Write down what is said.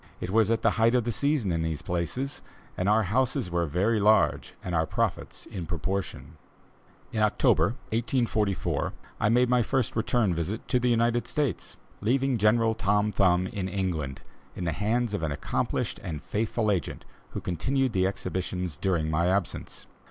It was at the height of the season in these places, and our houses were very large and our profits in proportion. In October, 1844, I made my first return visit to the United States, leaving General Tom Thumb in England, in the hands of an accomplished and faithful agent, who continued the exhibitions during my absence.